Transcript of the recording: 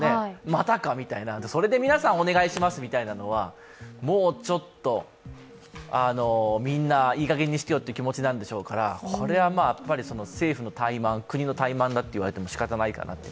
またかという、それで皆さんお願いしますみたいなのは、みんな、いいかげんにしてよという気持ちでしょうからこれは政府の怠慢、国の怠慢だと言われても仕方ないかなと。